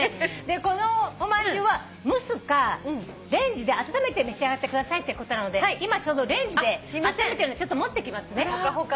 このおまんじゅうは蒸すかレンジで温めて召し上がってくださいってことで今ちょうどレンジであっためてるんで持ってきますね。